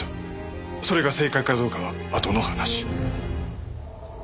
それが正解かどうかはあとの話。